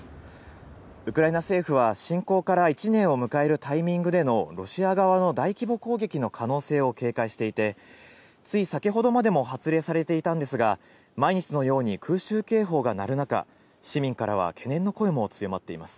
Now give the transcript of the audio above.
ウクライナ政府は侵攻から１年を迎えるタイミングでのロシア側の大規模攻撃の可能性を警戒していて、つい先ほどまでも発令されていたんですが、毎日のように空襲警報が鳴る中、市民からは懸念の声も強まっています。